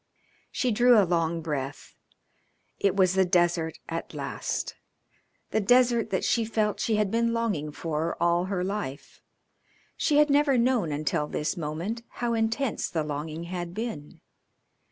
She drew a long breath. It was the desert at last, the desert that she felt she had been longing for all her life. She had never known until this moment how intense the longing had been.